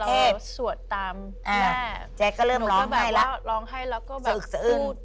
แล้วตอนเราสวดตามแม่แจ๊กก็เริ่มร้องให้ละสื่ออึกสะอื้น